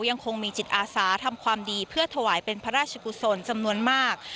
ยังคงมีจิตอาสาทำความดีเพื่อถวายเป็นพระราชกุศลจำนวนมาก